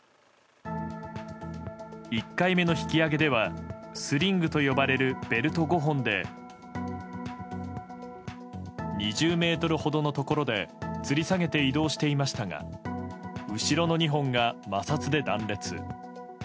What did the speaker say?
１回目の引き揚げではスリングと呼ばれるベルト５本で２０ｍほどのところでつり下げて移動していましたが後ろの２本が摩擦で断裂。